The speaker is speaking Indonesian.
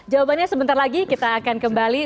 jawabannya sebentar lagi kita akan kembali